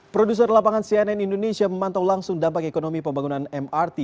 produser lapangan cnn indonesia memantau langsung dampak ekonomi pembangunan mrt